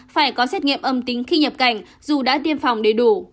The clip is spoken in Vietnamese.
phải có xét nghiệm âm tính khi nhập cảnh dù đã tiêm phòng đầy đủ